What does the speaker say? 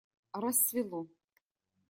Рассвело.